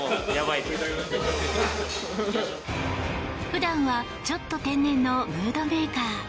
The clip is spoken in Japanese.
普段はちょっと天然のムードメーカー。